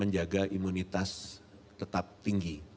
jaga imunitas tetap tinggi